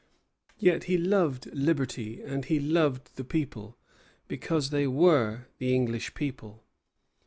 Yet he loved liberty and he loved the people, because they were the English people.